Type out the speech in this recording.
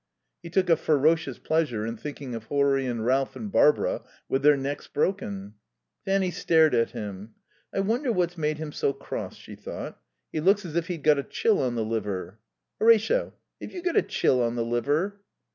He took a ferocious pleasure in thinking of Horry and Ralph and Barbara with their necks broken. Fanny stared at him. "I wonder what's made him so cross," she thought. "He looks as if he'd got a chill on the liver.".... "Horatio, have you got a chill on the liver?"